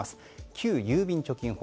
旧郵便貯金法。